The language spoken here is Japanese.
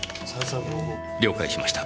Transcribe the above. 了解しました。